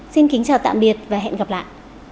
xin kính chào tạm biệt và hẹn gặp lại